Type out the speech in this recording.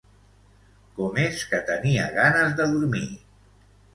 Com és que tenia ganes de dormir?